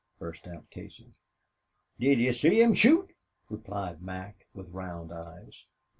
burst out Casey. "Did yez see him shoot?" replied Mac, with round eyes.